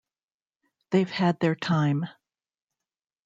They’ve had their time.